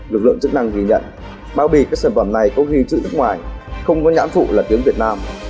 lực lượng chức năng ghi nhận bao bì các sản phẩm này có ghi chữ nước ngoài không có nhãn phụ là tiếng việt nam